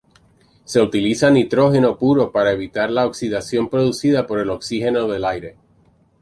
Se utiliza nitrógeno puro para evitar la oxidación producida por el oxígeno del aire.